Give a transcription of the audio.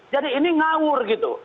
jadi ini ngawur gitu